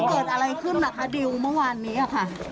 มีการมันเกิดอะไรขึ้นล่ะค่ะดิวเมื่อวานนี้ค่ะ